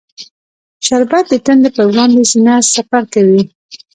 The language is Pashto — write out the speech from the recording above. شربت د تندې پر وړاندې سینه سپر کوي